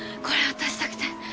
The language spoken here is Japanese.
これを渡したくて。